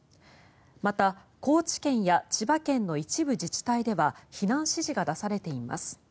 また高知県や千葉県の一部自治体では避難指示が出されています。